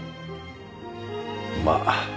まあ。